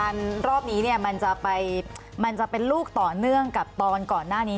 ณลอบนี้มันจะลูกต่อเนื่องกับตอนก่อนหน้านี้